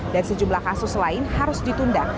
dan sejumlah kasus lain harus ditunda